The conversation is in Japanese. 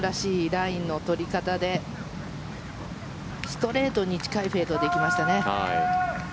ラインの取り方でストレートに近いフェードで行きましたね。